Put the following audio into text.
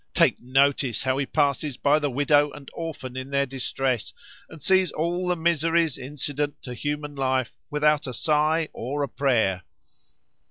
Take notice how he passes by the widow and orphan in their distress, and sees all the miseries incident to human life without a sigh or a prayer."